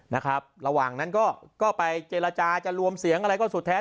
นะครับระหว่างนั้นก็ก็ไปเจรจาจะรวมเสียงอะไรก็สุดแท้